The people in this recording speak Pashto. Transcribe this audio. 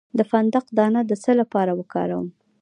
د فندق دانه د څه لپاره وکاروم؟